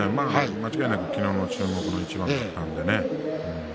間違いなく昨日の注目の一番だったんでね。